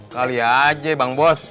kali aja bang bos